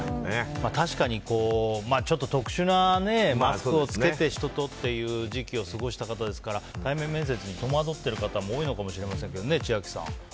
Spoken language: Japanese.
確かにちょっと特殊なマスクを着けて人とっていう時期を過ごした方ですから対面面接に戸惑っている方も多いかもしれませんが、千秋さん。